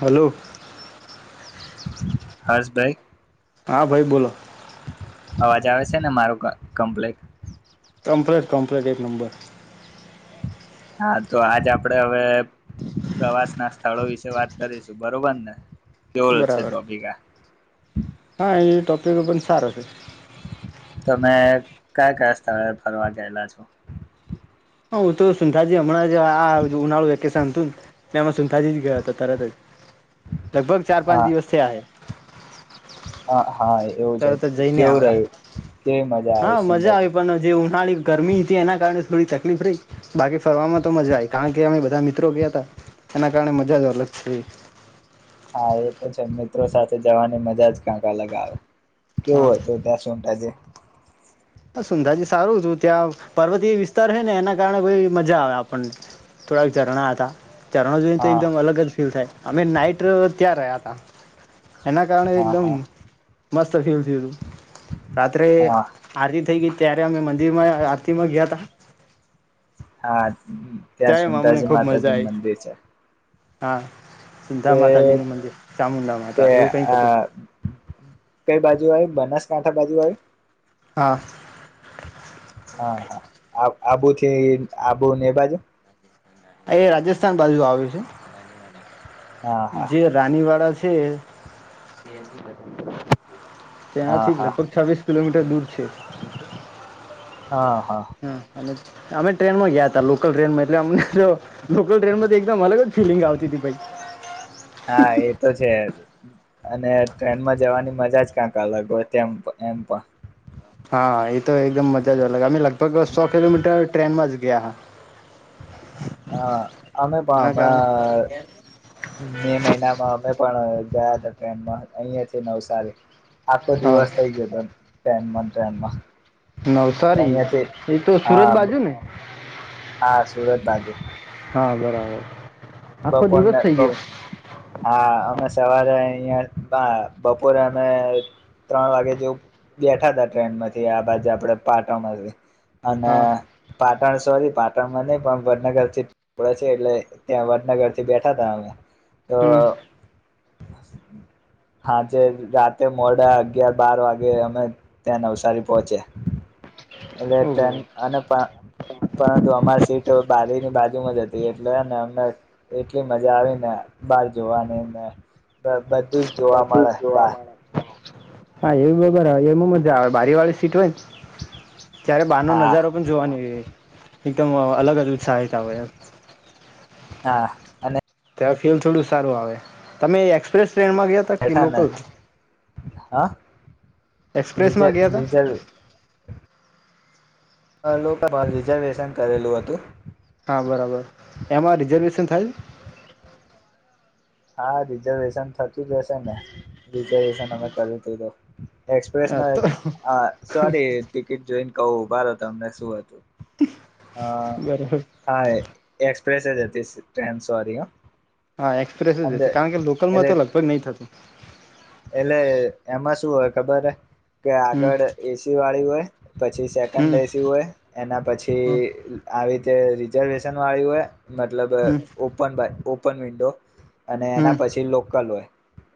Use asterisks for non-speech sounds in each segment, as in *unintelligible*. Hello હસબેગ હા, ભાઈ બોલો અવાજ આવે છે, ને મારું કમ્પલીટ? કમ્પલીટ કમ્પલીટ એક નંબર. હા, તો આજ આપડે હવે પ્રવાસ ના સ્થળો વિશે વાત કરીશું, બરોબર ને? કેવો છે બરાબર, ટોપિક આ હા એતો તો એવ પણ સારો છે. તમે કયા કયા સ્થળે ફરવા ગયેલા છો? હા, હું તો સુુંંધાજી હમણાં જે આ ઉનાળું વેકેશન હતું ને ને એમાં સુુંંધાજી ગયા હતા તરત જ લગભગ ચાર પાંચ હા દિવસ થિયા એ હા. હા, એવું જ તરત હત જઈને કેવું આવ્યા રહ્યું કેવી મજા આવી સું નાળા ગરમી હતી, એના કારણે થોડી તકલીફ રય બાકી ફરવામાં તો મજા આવી, કારણ કે અમે બધા મિત્રો ગયા હતા, એના કારણે મજા જ અલગ છે. હા, એતો છે મિત્રો સાથે જવાની મજા જ કંઈક અલગ અવે. હા કેવું હતું ત્યાં સુટાજે? સુંંધાજી સારું ત્યાં પર્વતીય વિસ્તાર છે ને એના કારણે કોઈ મજા આવે આપણને, થોડાક ઝરણા હતા ઝરણા જોઈને તો હા એકદમ અલગજ ફીલ થાય. અમે નાઈટ ત્યાં રહ્યા તા એના કારણે હા એકદમ હા મસ્ત ફીલ થયું તું રાત્રે હા થઈ ગઈ ત્યારે અમે મંદિર માં આરતી માં ગયા તા હા. ત્યાં સુંતાજી ખૂબ મજા માતાજી આવી મંદિર છે. હા. સિ્ધા તે માતાજી નું મંદિર, ચામુંડા તે માતા, એવું કઈક હતું. આ કાંઠા બાજુ આયુ? હા. હા, હા, આબુ છે, આબુ ને બાજુ. એ રાજસ્થાન બાજુ આવે છે. હા હા જે રાની વાડા છે. છેે. હા ત્યાંથીજ, હા લગભગ છવ્વીસ કિલોમીટર. તે દૂર છે. હા, હા. અમે ટ્રેનમાં ગયા હતા, લોકલ ટ્રેન માં એટલે અમને તો લોકલ ટ્રેનમાં. મને જ ફિલિંગ આવતી હતી હા ભઈ. એ તો છે અને ટ્રેનમાં જવાની મજા જ ક્યાંક અલગ હોય તેમ એમ પણ. હા, એ તો એકદમ મજા જ અલગ, અમે લગભગ સો કિલોમીટર ટ્રેનમાં જ ગયા. હા આમે પા એના કારણે હમણાં. મે મહિના માં અમે પણ. પણ ગયા તો ટ્રેનમાં હતા, અહીં થી નવસારી. આખો હા દિવસ થઇ ગયો હતો. ટ્રેનમાંને ટ્રેનમાં. નવસારી અહિયાંથી એતો સુરત હા બાજુ ને? હા સુરત બાજુ. હા, બરાબર. આખો દિવસ બપોરને થઈ ગયો. હા અમે સવારે અહિયાં બપોરે અમે ત્રણ વાગે જેવું બેઠા હતા ટ્રેન માંથી, આ બાજ આપડે પાટણમાંથી. અને હા પા પાટણ સોરી પાટણમાં નહીં પણ વડનગર થી પડે છે, એટલે ત્યાં વડનગર થી બેઠા હતા અમે. હમ. હા. હા જે રાતે મોડા અગિયાર-બાર વાગે અમે ત્યાં નવસારી પોહોંચ્યા. એટલે ઓહો ટ્રેન અને પા પરંતુ અમારી સીટ બારીની બાજુમાં જ હતી એટલે ને અમને. એટલી મજા આવી ને. બહાર જોવાની ને. બધું જ જોવા બધું જ મળે જોવા બહાર. મળે. હા એવી બાર આવે એમ મજા આવે બારી વાળી સીટ હોય. ત્યારે બહાર નો હા નજારો પણ જોવાની. એકદમ અલગ-અલગ સહાયતા હોય એમ. હા અને. તેમાં ફીલ થોડું સારું આવે તમે એક્સપ્રેસ. ટ્રેન મા ગીયા તા કે બેઠા ને લોકલ. હા. એક્સપ્રેસ માં ગયા હતા. લોકસભા રિઝર્વેશન કરેલું હતું. હા, બરાબર એમાં રિઝર્વેશન થાય. હા રિઝર્વેશન થતું જ હશે ને રિઝર્વેશન અમે કરો હતો તો. *inaudible* એક્સપ્રેસ હા ન તો અ સોરી ટિકિટ જોઈન કવુ ભારે તમને શું હતું. હા બરાબર હા એક્સપ્રેસ જ હતી ટ્રેન સોરી હ હા એક્સપ્રેસ જ હશે કારણ કે લોકલમાં તો લગભગ નય થતું. એટલે એમાં શું હોય ખબર હે કે હમ આગળ એસી વાળી હોય પછી સેકન્ડ હમ એસી હોય એના હમ પછી આવી જે રિજર્વેશન વાળી હોય મતલબ હમ ઓપન બાય ઓપન વિન્ડો અને એના હમ પછી લોકલ હોય.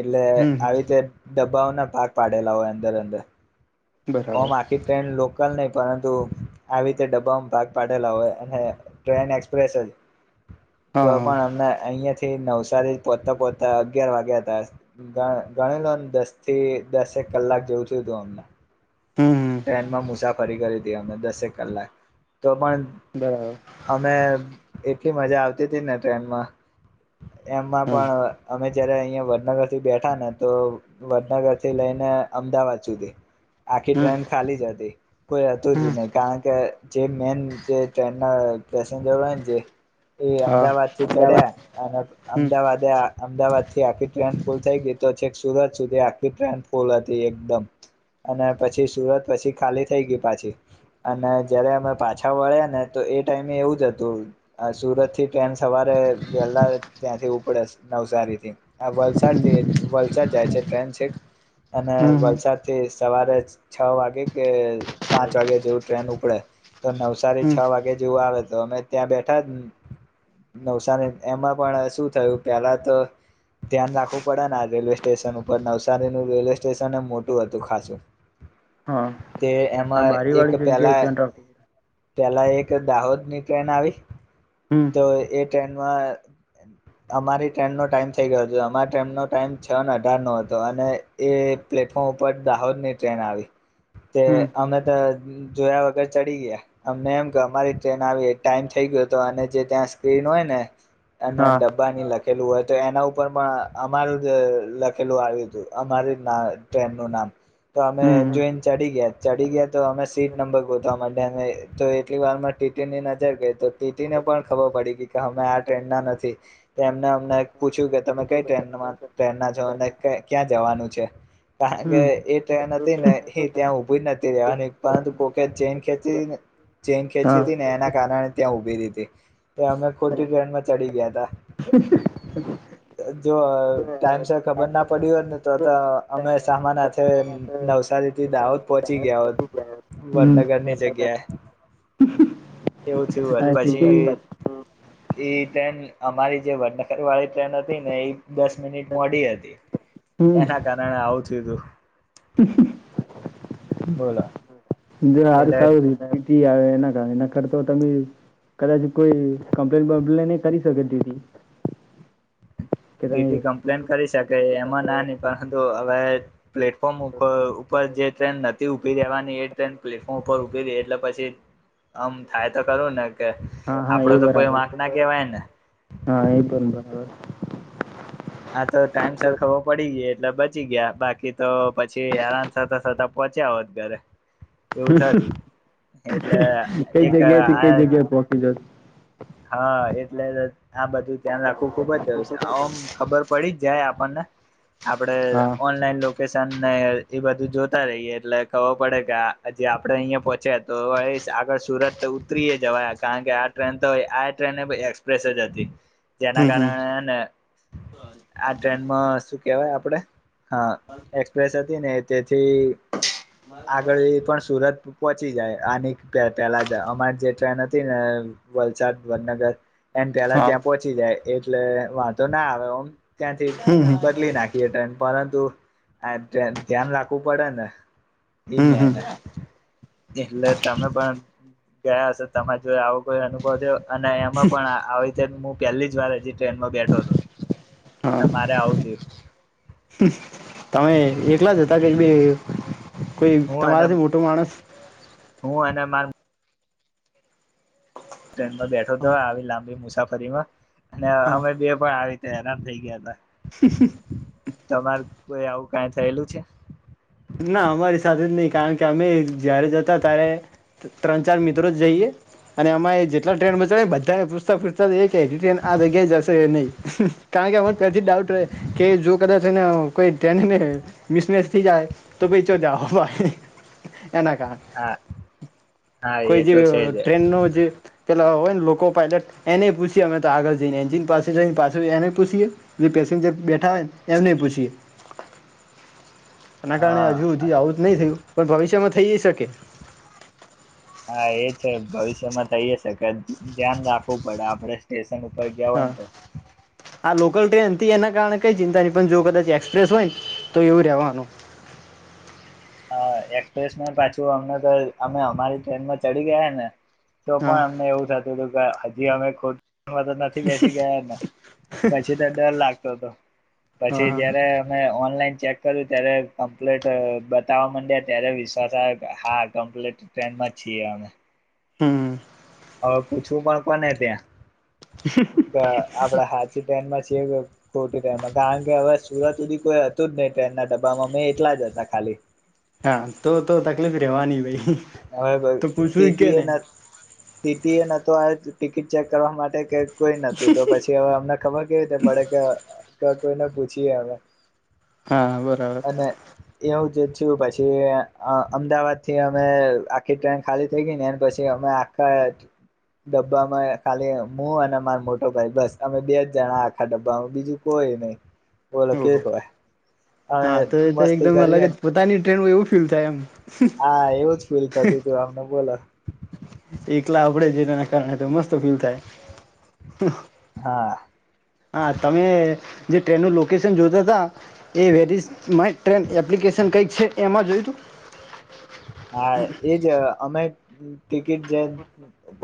એટલે હમ હમ આવી રીતે ડબ્બાઓના ભાગ પાડેલા હોય અંદર અંદર બરાબર આમે આખી ટ્રેન લોક કલ ની પરંતુ આવી રીતે ડબ્બામાં ભાગ પાડેલા હોય અને ટ્રેન એક્સપ્રેસ જ તો હા હા પણ અમને અહિયાં થી નવસારી પોચતા પોચતા અગિયાર વાગ્યા હતા ગણી લો દસથી દસેક કલાક જેવું થયું હતું અમને હમ હમ ટ્રેનમાં મુસાફરી કરી અમે દસેક કલાક તો પણ બરાબર અમે એક એટલી મજા આવતી હતી ને ટ્રેનમાં એમાં હમ પણ અમે જયારે અહિયા વડનગરથી બેઠાને તો વડનગરથી લઈને અમદાવાદ સુધી આખી હમ ટ્રેન ખાલી જ હતી કોઈ હતું જ હમ ની કારણ કે જે મેન જે ટ્રેનના પેસેન્જરોયને જે એ હા અમદાવાદથી અમદાવાદ ચડ્યા અને હમ અમદાવાદ અમદાવાદથી આખી ટ્રેન ફૂલ થઈ ગઈ તો છે. સુરત સુધી આખી ટ્રેન ફૂલ હતી એકદમ અને પછી સુરત પછી ખાલી થઈ ગઈ પાછી અને જયારે અમે પાછા વળ્યાને તો એ ટાઈમે એવું જ હતું સુરતથી ટ્રેન સવારે વહેલા ત્યાંથી ઉપડે નવસારીથી આ વલસાડથી વલસાડ જાય છે ટ્રેન છેક અને હમ હમ વલસાડથી સવારે જ છ વાગે કે પાંચ વાગે જેવું ટ્રેન ઉપડે તો નવસારી હમ છ વાગે જેવું આવે અમે ત્યાં બેઠા નવસારી એમાં પણ શું થયું પેલા તો ધ્યાન રાખવું પડે ના રેલવે સ્ટેશન ઉપર નવસારીનું રેલવે સ્ટેશન એમ મોટું હતું ખાસ છે. હા તે આ એમાં બારી એક વાળી જગ્યાએ પહેલા ધ્યાન રાખવું પેલા એક દાહોદ ની ટ્રેન આવી હમ તો એ ટ્રેનમાં અમારી ટ્રેનનો ટાઈમ થઈ ગયો હતો અમારી ટ્રેનનો ટાઈમ છ ને અઢાર નો હતો અને એ પ્લેટફોર્મ ઉપર દાહોદ ની ટ્રેન આવી તે હમ અમમે તો જોયા વગર ચડી ગયા અમને એમ કે અમારી ટ્રેન આવી ટાઈમ થઈ ગયો હતો અને જે ત્યાં સ્ક્રીન હોય ને અને હા ડબ્બાની લખેલું હોત એના ઉપર પણ અમારું જ લખેલું આવ્યું હતું અમારીજ ટ્રેનનું નામ તો અમે હમ જોઈન ચડી ગયા ચડી ગયા તો અમે સીટ નંબર ગોતવા *unintelligible* માટે તો એટલી વાર માં ટીટીની નજર ગઈ તો ટીટી ને પણ ખબર પડી ગઈ કે અમે આ ટ્રેન ના નથી તો એમને અમને પૂછ્યું કે તમે કઈ ટ્રેન ટ્રેન ના છો અને ક્યાં જવાનું છે કારણ કે એ ટ્રેન હથી ને એ ત્યાં ઉભીજ નથી રેવાની પરંતુ કોકે ચૈન ખેંચીન ચૈન ખેચી ચેતીને એના કારણે ત્યાં ઉભી કરી દીધી ખોટી ટ્રેનમાં ચડી ગયા તા જો ટાઈમ સર ખબર ના પડી હોય ને તો તો અમે સામાનજ નવસારી થી દાહોદ પહોંચી ગયા હોત હમ વડનગરની જગ્યાએ એવું થયું હોત આ પછી ટીટી એ ટાઈમ અમારી જે વડનગર વાળી ટ્રેન હથી ને એ દસ મિનિટ મોડી હતી એના કારણે આવું થયું તું હા હા બોલો હારું એટલે થયું *unintelligible* થી આવે એના એના કરતા તમે કદાચ કોઈ કમ્પ્લેન બમ્પ્લેન એ કરી શકે ટીટી કે તમે ટીટી કમ્પ્લેન કરી શકે એમાં ના ની પરંતુ હવે પ્લેટફોર્મ ઉપર ઉપર જે ટ્રેન નથી ઉભી રહેવાની એ ટ્રેન પ્લેટફોર્મ ઉપર ઉભીરી એટલે પછી આમ થાય તો ખરુ ને કે હા હા આપડો એ તો કોઈ બરાબર વાંક ના કેવાય ને હા એ પણ બરાબર. હા તો ટાઈમ સર ખબર પડી ગયો એટલે બ બચી ગયા બાકી તો પછી આરામ થતા થતા પહોંચ્યા હોત ઘરે. એવું થત એટલે કઈ એક જગ્યાથી આ કઈ જગ્યા પોહોચી જત હા એટલે આ બધું ધ્યાન રાખવું ખુબ જ જ છે એમ ખબર પડી જ જાય પણ આપડણે હા ઓનલાઈન લોકેશ તન એ બધું જોતા રહીએ એટલે ખબર પડે કે આ જે આપડે અહિયાં પહોંચ્યા તો એસ આગળ સુરત ઉતરીય જવાયા કારણ કે આ ટ્રેન તો એ આ ટ્રેન એબ એક્સપ્રેસે જ હતી. જેના હમ હમ કારણે એને આ ટ્રેનમાં શું કેવાય આપ પડે હા એક્સપ્રેસ હતી ને થી આગળ એ પણ સુરત પહોંચી જાય આનીક પે-પેલા અહ અમારી જે ટ્રેન હતી ને વલસાડ વડનગર એન પેલા હા ત્યાં પહોંચી જાય. એટલે વાંધનો ના આવે ઓમ ત્યાંથી હમ હમ બદલી નાખીએ ટ્રેન. પરંતુ આ ટ્રેન ધ્યાન રાખવું પડે ને દિન હમ ને હમ એને. એટલે તમે પણ ગયા હશે તમે જો આવું કોઈ અનુભવ થયો અને એમાં પણ આહ આવીતે મુહ પહેલી જ વારે જે ટ્રેનમાં બેઠો તો હા અને મારે આવું થયું. તમે એકલા જ જતા જઈભી કોઈ હું અને તમારાથી મોટો માણસ હું એને માન ટ્રેનમાં બેઠો હા તોય આવી લાંબી મુસાફ કરીમાં અને હા અમે બે પણ આવી તે હેરાન થઈ ગયા હતા. તમાર કોઈ આવું કાઈ થયેલું છે? ના અમારી સાથે જ નહીં કારણ કે અમે જયારે જતા ત્યારે ત્રણ ચાર મિત્રો જ જઈએ અને અમાએ જેટલા ટ્રેન માં ચડે બધાને પૂછતા પૂછતા એ કેહ કે ટ્રેન આ જગ્યાએ જશે યા નહીં કારણ કે અમને પ્રતિ ડાઉટ રેહ કે જો કદાચ એને કોઈ ટ્રેન મિસમેસ થઈ જાય તો પછી ચો જાઓ બાય. એના કારણ હા હા કોઈ એ જે તો છે અહ જ ટ્રેનનો જે લા હોય ને લોકો પાયલટ એને પૂછીએ અમે તો આગળ જઈને જીન પાસે જઈ પાછે એને પૂછએ પેસેન્જર બેઠા હોયને એમને પૂછીએ. એના કારણે હા હજુ હુધી આવું જ નય થયું પણ ભવિષ્યમાં થઈએ શકે. હા, એ છે ભવિષ્યમાં થઈએ શકે ધ્યાન રાખ *unintelligible* પડે આપરે સ્ટેશ ઉપર ગયા હોય હા ને તો. આ લોકલ ટ્રેન હતી એના કારણે કઈ ચિંતા નય પણ જો કદાચ એક્સપ્રેસ હોયને તો એવું રેવાનું. હા, એક્સપ્રેસમાં પાછું અમને તો અમે અમારી ટ્રેનમાં ચડી ગયાને તો હા પણ અમને એવું થતું હતું કે જે અમે ખુદ તો *unintelligible* બેસી ગયા હતા પછી તો ડર લાગતો હતો હા પછી હા જયારે અમે ઓનલાઈન ચેક કરે ત્યારે કમ્પ્લેટ અ બ બતાવા માંડ્યા ત્યારે વિશ્વાસ આવે કે હા કમ્પ્લીટ ટ્રેનમાં જ છીએ અમે. હમ્મ હવે પૂછવું પણ કોને ત્યાં. અ આપડા હાચી ટ્રેનમાં જ ખોટી ટ્રેનમાં કારણ કે હવે સુરત હુધી કોઈ હતું જ નહીં ટ્રેનના ડબ્બામાં અમે એકલા જ હતા ખાલી. હા, તો તો તકલીફ રેવાની ભઈ. હવે ભાઈ ટીટીએ નત ટીટીએ નતો આ ટિકિટ ચેક કરવા માટે કે કોઈ નતું તો પછી હવે અમને ખબર કેવી રીતે પડે કે‌ તા કોઈને પૂછીએ અમે. હા, બરાબર. એવું જ પછી અ અમદાવાદથી અમે આખી ટ્રેન ખાલી થઈ ગઈ ને પછી અમે આખા ડબ્બામાં ખાલી મુ અને મારો મોટો ભાઈ બસ અમે બે જ જણા આખા ડબ્બામાં બીજું કોઈ નય. ઓહો, હા તો એતો મસ્તી એકદમ અલગ કરીએ જ ને પોતાની ટ્રેન હોય એવું ફીલ થાય એમ. હા, એવુંજ ફીલ થતુંતું અમને બોલો. એકલા આપડે છે તેના કારણે તો મસ્ત ફીલ થાય. હા હા, તમે જે ટ્રેનનું લોકેશન જોતાતા એ વેરીઝ માય ટ્રેન એપ્લિકેશન કંઈક છે એમાં જોયું હતું. હા, એજ અ અમે ટીકિટ જે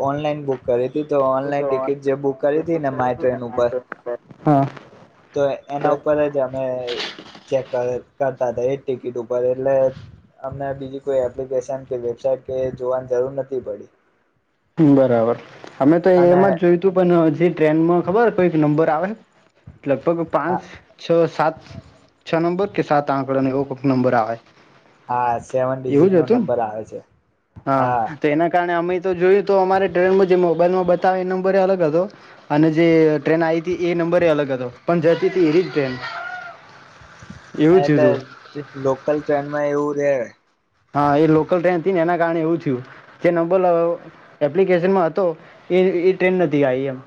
ઓનલાઈન બુક કરી - તો ઓનલાઈન ટિકિટ જે બુક કરી હતી. ને માય ટ્રેન ઉપર હા, તો એના ઉપર જ અમે ચેક કરી કરતા જ ટિકિટ ઉપર એટલે અમને બીજી કોઈ એપ્લિકેશન કે વેબસાાઈટ કે જોવાની જરૂર નથી પડી. બરાબર અમે તો અને એમાં જ જોયું તું પણ જે ટ્રેનમાં ખબર કોઈક નંબર આવે લગભગ પાંચ, છ, સાત, છ નંબર કે સાત આકડને એવું નંબર આવે હા સેવન એવું ડિઝિટ જ નો હતું ને નંબર આવે છે હા તો એના કારણે અમે તો જોયું તો અમારે ટ્રેનમાં જે મોબાઈલમાં બતાવે એ નંબરે અલગ હતો અને જે ટ્રેન આવી હતી એ નંબરે અલગ હતો પણ જતી હતી એ જ ટ્રેન એવું એટલે થયું હતું લોકલ ટ્રેનમાં એવું રે હા એ લોકલ ટ્રેન હતી ને એના કારણે એવું થયું જે નંબર એપ્લિકેશનમાં હતો એ એ ટ્રેન નથી આઈ એમ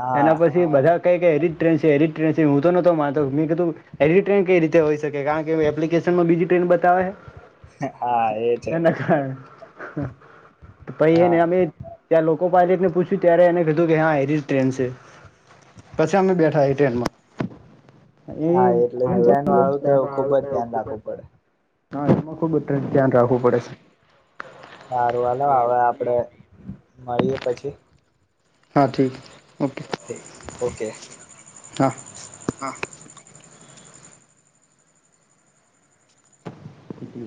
હા એના પછી બધા કેયકે એલી જ ટ્રેન એલી જ ટ્રેન હું તો નોતો માતો મે કીધું હેરી ટ્રેન કઈ રીતે હોઈકે કારણ કે એપ્લિકેશનમાં બીજી ટ્રેન તા હોય હા એ છે. હમ પહી એને હા અમે ત્યાં લોકો પાયલટ ને પૂછ્યું ત્યારે એને કીધું કે હા એલી જ ટ્રેન છે પછી અમે બેઠા એ ટ્રેનમાં એ હા એટલે ટ્રેન વાળું તો ખુબ જ ધ્યાન રાખવું પડે. હા એમાં ખૂબ ધ્યાન રાખવું પડે છે. સારું વાલો હવે આપડે મળીએ પછી હા ઠીક ઓકે ઓકે હા હા *inaudible*